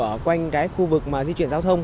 ở quanh cái khu vực mà di chuyển giao thông